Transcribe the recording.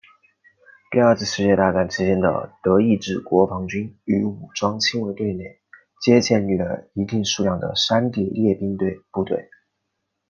第二次世界大战期间的德意志国防军与武装亲卫队内皆建立了一定数量的山地猎兵部队。